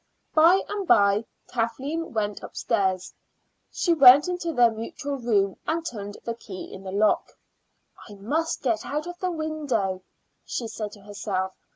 By and by Kathleen went upstairs. She went to their mutual room, and turned the key in the lock. "I must get out of the window," she said to herself.